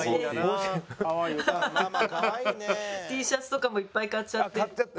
Ｔシャツとかもいっぱい買っちゃって。